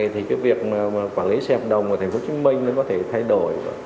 thì cái việc quản lý xe hợp đồng ở tp hcm nó có thể thay đổi